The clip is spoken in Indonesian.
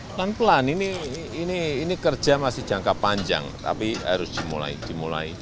pelan pelan ini kerja masih jangka panjang tapi harus dimulai